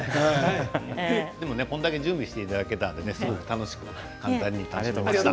これだけ準備していただけたので楽しくできました。